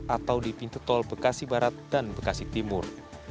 atau di pintu tol bekasi barat dan bekasi timur